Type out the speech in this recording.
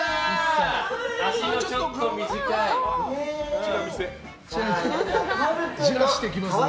足のちょっと短い。